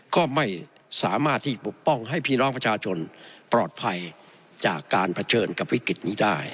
ก็ไม่สามารถที่ปกป้องให้พี่น้องประชาชน